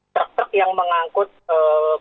trek trek yang mengangkut ee